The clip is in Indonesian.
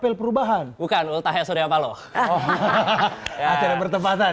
gede banget di gbk tuh oh apel perubahan bukan ultahesori apa loh hahaha akhirnya bertempatan